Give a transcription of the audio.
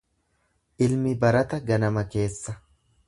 Ilmi barata ganama keessa.